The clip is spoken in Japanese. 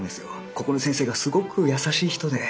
ここの先生がすごく優しい人で。